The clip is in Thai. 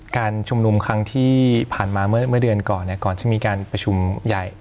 การชุมนุมครั้งที่ผ่านมาเมื่อเดือนก่อนก่อนจะมีการประชุมใหญ่